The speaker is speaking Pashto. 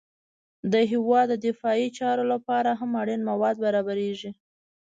د هېواد د دفاعي چارو لپاره هم اړین مواد برابریږي